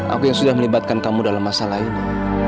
aku yang sudah melibatkan kamu dalam masalah itu